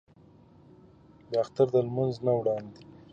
د اختر د لمونځ نه وړاندې